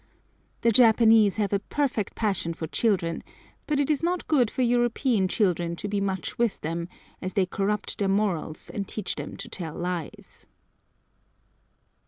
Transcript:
The Japanese have a perfect passion for children, but it is not good for European children to be much with them, as they corrupt their morals, and teach them to tell lies.